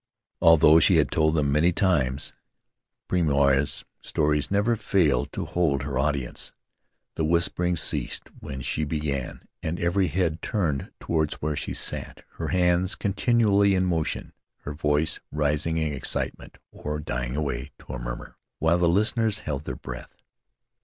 Although she had told them many times, Porima's stories never failed to hold her audience; the whispering ceased when she began, and every head turned toward where she sat, her hands continually in motion, her voice rising in excitement, or dying away to a murmur, while the listeners held their breath.